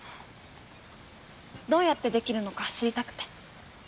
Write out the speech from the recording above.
どうやってできるのか知りたくて。